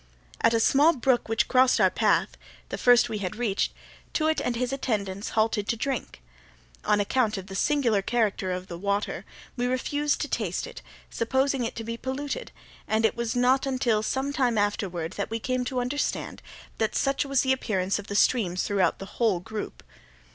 At a small brook which crossed our path (the first we had reached) Too wit and his attendants halted to drink. On account of the singular character of the water, we refused to taste it, supposing it to be polluted; and it was not until some time afterward we came to understand that such was the appearance of the streams throughout the whole group.